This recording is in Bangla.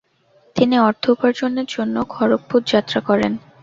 তিনি অর্থ উপার্জনে জন্য খড়্গপুর যাত্রা করেন।